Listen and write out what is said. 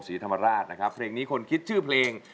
ศรีธรรมราชนะครับเพลงนี้คนคิดชื่อเพลง